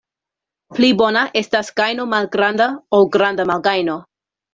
Pli bona estas gajno malgranda, ol granda malgajno.